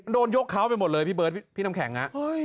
โดนยกเขาไปหมดเลยพี่เบิร์ดพี่น้ำแข็ง